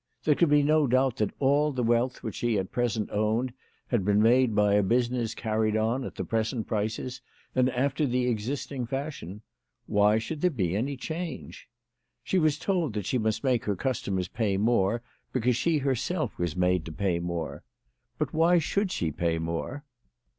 There could be no doubt that all the wealth which she at present owned had been made by a business carried on at the present prices and after the existing fashion. Why should there be any change ? She was told that she must make her customers pay more because she herself was made to pay more. But why should she pay more